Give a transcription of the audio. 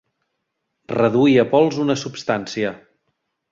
Reduir a pols una substància.